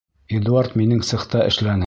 Эдуард минең цехта эшләне.